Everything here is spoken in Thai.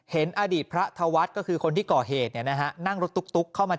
เห็นอดีตพระธวัฒน์ก็คือคนที่ก่อเหตุนั่งรถตุ๊กเข้ามา